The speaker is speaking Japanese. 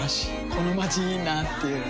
このまちいいなぁっていう